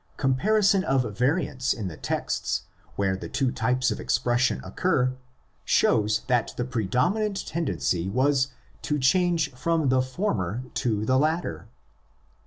Comparison of variants in the texts where the two types of expres sion occur shows that the predominant tendency was to change from the former to the latter.